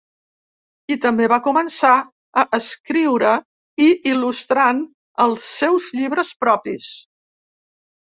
I també va començar a escriure i il·lustrant els seus llibres propis.